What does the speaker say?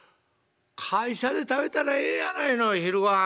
会社で食べたらええやないの昼ごはん。